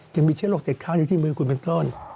จึงมีเชื้อหลอกเต็ดข้างอยู่ที่มือคุณเป็นต้น